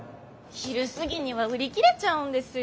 昼過ぎには売り切れちゃうんですよ。